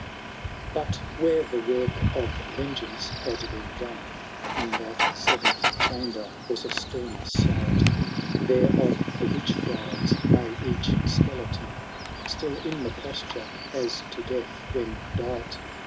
VI. But where the work of yengeance had been done, In that seventh chamber, was a sterner sight ; There of the witch brides lay each skeleton, Still in the posture as to death when dight.